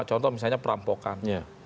contoh misalnya perampokan